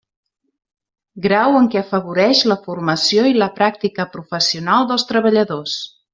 Grau en què afavoreix la formació i la pràctica professional dels treballadors.